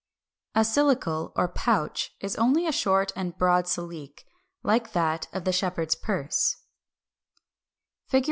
375. =A Silicle or Pouch= is only a short and broad silique, like that of the Shepherd's Purse, Fig.